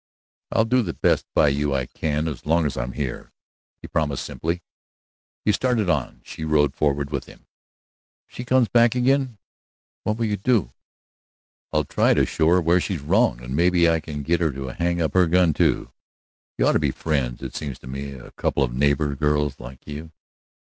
"I'll do the best by you I can as long as I'm here," he promised, simply. He started on; she rode forward with him. "If she comes back again, what will you do?" "I'll try to show her where she's wrong, and maybe I can get her to hang up her gun, too. You ought to be friends, it seems to me a couple of neighbor girls like you."